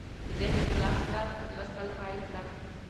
ذهن خلاص کړه لوستل پېل کړه